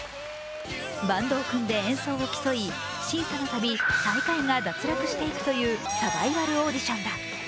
バンドを組んで演奏を競い、審査のたび最下位が脱落していくというサバイバルオーディションだ。